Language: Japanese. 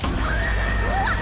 うわっ